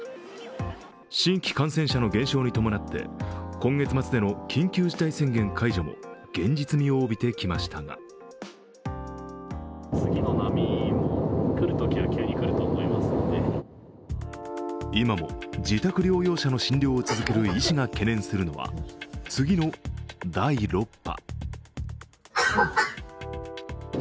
新規感染者の減少に伴って今月末での緊急事態宣言解除も現実味を帯びてきましたが今も自宅療養者の診療を続ける医師が懸念するのは次の第６波。